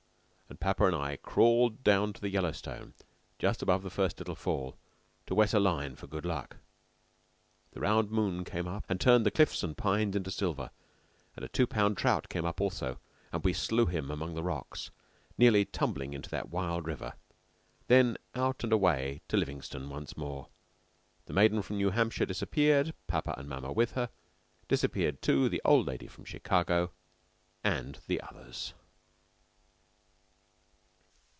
And papa and I crawled down to the Yellowstone just above the first little fall to wet a line for good luck. The round moon came up and turned the cliffs and pines into silver; and a two pound trout came up also, and we slew him among the rocks, nearly tumbling into that wild river. ...... Then out and away to Livingstone once more. The maiden from New Hampshire disappeared, papa and mamma with her. Disappeared, too, the old lady from Chicago, and the others.